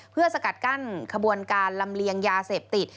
เพื่อสกัดกั้นขบวนการลำเลียงยาเสพติด